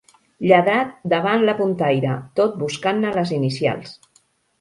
Lladrat davant la puntaire, tot buscant-ne les inicials.